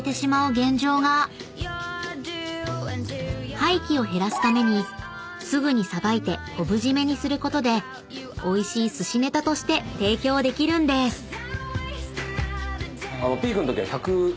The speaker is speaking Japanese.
［廃棄を減らすためにすぐにさばいて昆布締めにすることでおいしい寿司ネタとして提供できるんです］え！